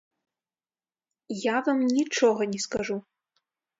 Я вам нічога не скажу.